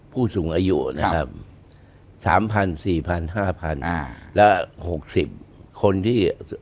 ผู้สูงอายุนะครับ๓๐๐๔๐๐๕๐๐และ๖๐คนที่